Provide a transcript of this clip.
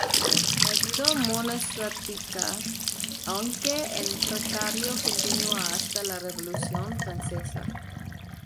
La vida monástica, aunque en precario, continúa hasta la Revolución francesa.